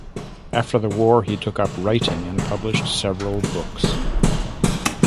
After the war he took up writing, and published several books.